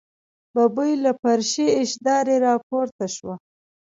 ببۍ له فرشي اشدارې راپورته شوه.